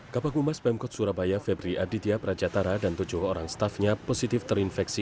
hai kata guma spam code surabaya febri aditya prajatara dan tujuh orang stafnya positif terinfeksi